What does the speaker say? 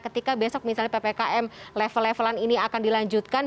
ketika besok misalnya ppkm level levelan ini akan dilanjutkan